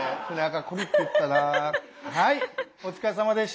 はいお疲れさまでした！